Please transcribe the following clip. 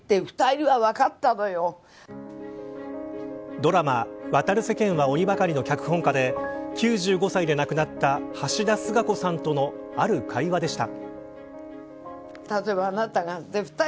ドラマ渡る世間は鬼ばかりの脚本家で９５歳で亡くなった橋田壽賀子さんとのある会話でした。